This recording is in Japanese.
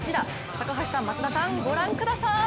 高橋さん、松田さん、ご覧ください。